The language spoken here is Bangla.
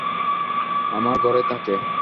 আমার ঘরে থাকে?